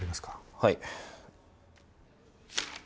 はい。